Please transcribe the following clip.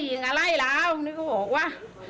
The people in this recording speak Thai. ยิงอะไรแล้วนี่ก็บอกว่า